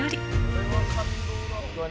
「これは感動だわ」